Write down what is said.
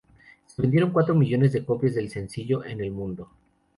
Se vendieron cuatro millones de copias del sencillo en el mundo.